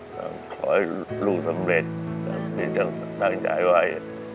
ก็ขอให้ลูกสำเร็จที่จะตั้งใจไว้